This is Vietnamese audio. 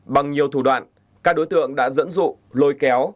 bằng nhiều thủ đoạn các đối tượng đã dẫn dụ lôi kéo